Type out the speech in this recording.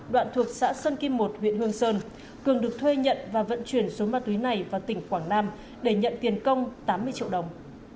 đoạn thuộc xã sơn kim một huyện hương sơn cường được thuê nhận và vận chuyển số ma túy này vào tỉnh quảng nam để nhận tiền công tám mươi triệu đồng